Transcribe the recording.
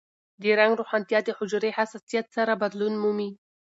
د رنګ روښانتیا د حجرې حساسیت سره بدلون مومي.